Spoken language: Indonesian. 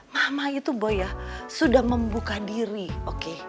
mama itu boy ya sudah membuka diri oke